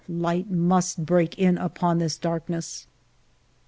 light must break in upon this darkness.